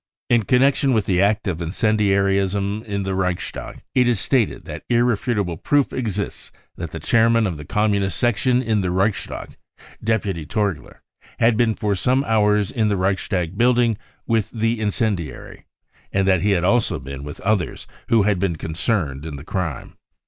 In connection with the act of incendiarism in the Reichstag, it is stated that irrefutable proof exists that the chairman of the Communist section in the Reichstag, Deputy' Torgler, had been for some hours in the Reichstag building with the incendiary, and that he had also been with others who had been concerned in the crime.